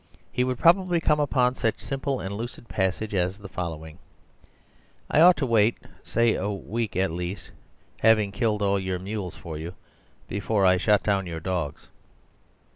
He would probably come upon some such simple and lucid passage as the following: "I ought to wait, say a week at least, having killed all your mules for you, before I shot down your dogs....